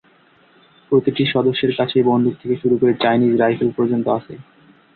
প্রতিটি সদস্যের কাছেই বন্দুক থেকে শুরু করে চায়নিজ রাইফেল পর্যন্ত আছে।